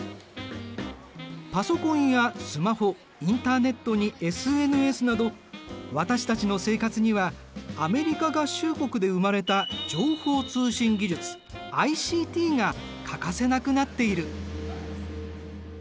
パソコンやスマホインターネットにＳＮＳなど私たちの生活にはアメリカ合衆国で生まれた情報通信技術ＩＣＴが欠かせなくなっている。